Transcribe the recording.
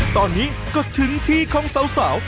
ตอนนี้ก็ถึงที่ของสาว